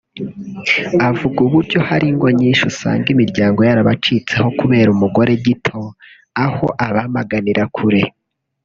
Avuga uburyo hari ingo nyinshi usanga imiryango yarabacitseho kubera umugore gito aho abamaganira kure